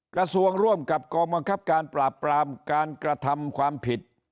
กระทรวงร่วมกับกองบังคับการปราบปรามการกระทำความผิด